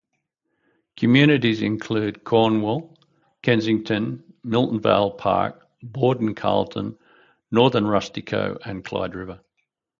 Communities include Cornwall, Kensington, Miltonvale Park, Borden-Carleton, North Rustico and Clyde River.